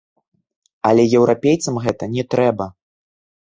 Але еўрапейцам гэта не трэба.